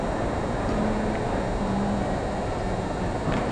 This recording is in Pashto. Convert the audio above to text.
د ملالۍ قبر په منډآباد کې دی.